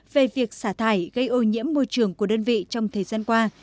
về việc xả thải gây ô nhiễm môi trường của đơn vị trong thời gian qua